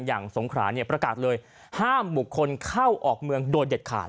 สงขราเนี่ยประกาศเลยห้ามบุคคลเข้าออกเมืองโดยเด็ดขาด